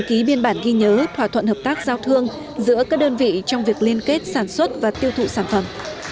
ký biên bản ghi nhớ thỏa thuận hợp tác giao thương giữa các đơn vị trong việc liên kết sản xuất và tiêu thụ sản phẩm